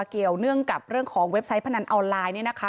เกี่ยวเนื่องกับเรื่องของเว็บไซต์พนันออนไลน์